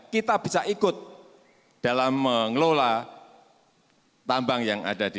kita bisa ikut dalam mengelola tambang yang ada di